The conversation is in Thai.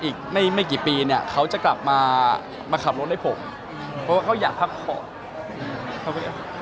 อีกไม่ไม่กี่ปีเนี่ยเขาจะกลับมามาขับรถให้ผมเพราะว่าเขาอยากพักผ่อน